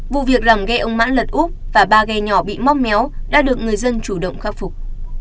vụ việc làm ghe ông mãn lật úp và ba ghe nhỏ bị móc méo đã được người dân chủ động khắc phục